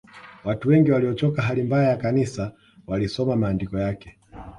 Watu wengi waliochoka hali mbaya ya Kanisa walisoma maandiko yake